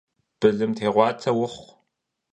Bılımtêğuate vuxhu!